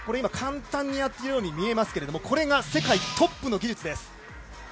簡単にやっているように見えますけど、これが世界トップの技術です。